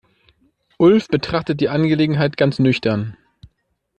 Ulf betrachtet die Angelegenheit ganz nüchtern.